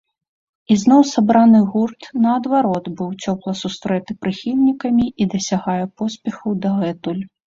Ізноў сабраны гурт, наадварот, быў цёпла сустрэты прыхільнікамі і дасягае поспехаў дагэтуль.